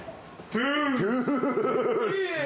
トゥース！